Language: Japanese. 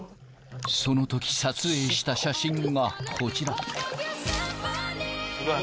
その時撮影した写真がこちらうわ！